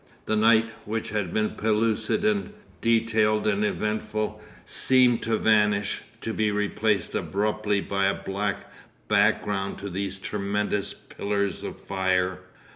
The night, which had been pellucid and detailed and eventful, seemed to vanish, to be replaced abruptly by a black background to these tremendous pillars of fire....